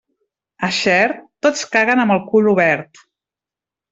A Xert, tots caguen amb el cul obert.